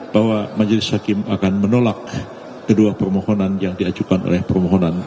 bahwa majelis hakim akan menolak kedua permohonan yang diajukan oleh permohonan